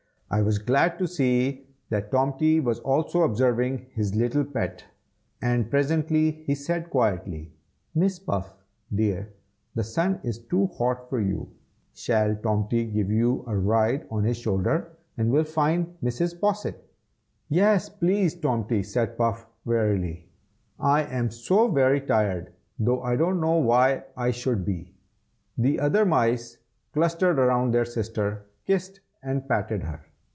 I was glad to see that Tomty was also observing his little pet; and presently he said quietly, "Miss Puff, dear, the sun is too hot for you. Shall Tomty give you a ride on his shoulder, and we'll find Mrs. Posset?" "Yes, please, Tomty!" said Puff, wearily; "I am so very tired, though I don't know why I should be." The other mice clustered round their sister, and kissed and patted her.